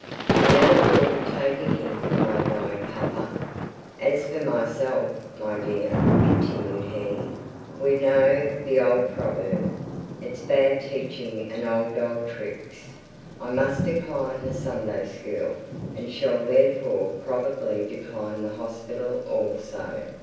'I never thought of taking him for my guide, papa.' 'As for myself, my dear,' continued he, 'we know the old proverb "It's a bad thing teaching an old dog new tricks." I must decline the Sunday school, and shall therefore probably decline the hospital also.